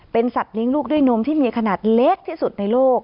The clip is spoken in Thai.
เป็นสัตว์เลี้ยงลูกด้วยนมที่มีขนาดเล็กที่สุดในโลก